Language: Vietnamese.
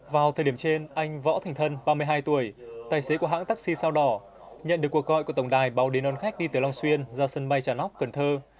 vào thời điểm trên anh võ thành thân ba mươi hai tuổi tài xế của hãng taxi sao đỏ nhận được cuộc gọi của tổng đài báo đến đón khách đi từ long xuyên ra sân bay trà nóc cần thơ